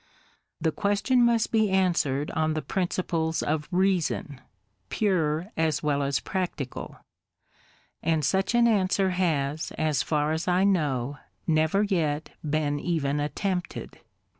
The question must be answered on the principles of Reason, pure as well as practical; and such an answer has, so far as I know, never yet been even attempted.